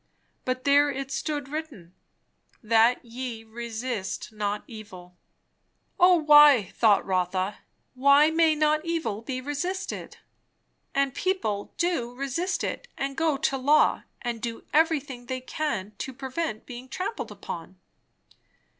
But there it stood written "That ye resist not evil." "O why, thought Rotha, why may not evil be resisted? And people do resist it, and go to law, and do everything they can, to prevent being trampled upon?